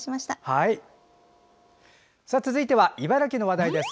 続いて茨城の話題です。